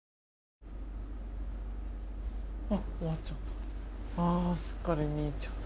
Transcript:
あっ終わっちゃった。